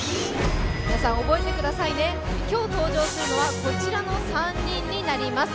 皆さん、覚えてくださいね、今日登場するのはこちらの３人になります